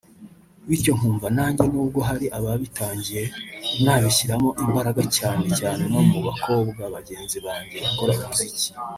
Bityo nkumva nanjye n’ubwo hari ababitangiye nabishyiramo imbaraga cyane cyane no mu bakobwa bagenzi banjye bakora umuziki